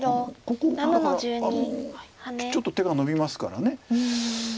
ここだからちょっと手がのびますから。